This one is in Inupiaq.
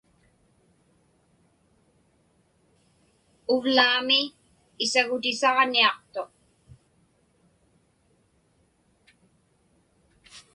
Uvlaami isagutisaġniaqtuq.